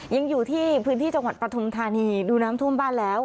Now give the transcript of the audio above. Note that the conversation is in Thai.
ยังอยู่ที่พื้นที่จังหวัดปฐุมธานีดูน้ำท่วมบ้านแล้ว